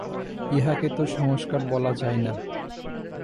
ইহাকে তো সংস্কার বলা যায় না।